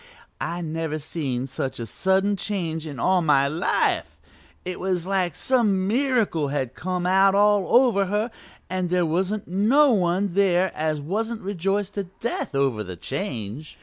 I never seen such a sudden change in all my life; it was like some miracle had come out all over her and there wasn't no one there as wasn't rejoiced to death over the change.